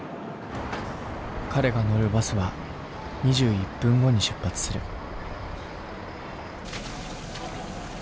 彼が乗るバスは２１分後に出発する。